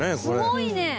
すごいね！